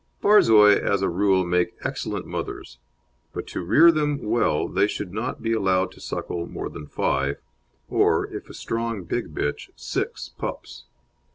Borzois as a rule make excellent mothers, but to rear them well they should not be allowed to suckle more than five or, if a strong, big bitch, six pups.